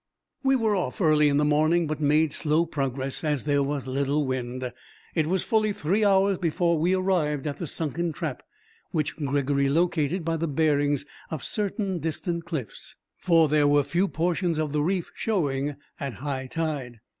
We were off early in the morning, but made slow progress, as there was little wind. It was fully three hours before we arrived at the sunken trap, which Gregory located by the bearings of certain distant cliffs, for there were few portions of the reef showing at high tide.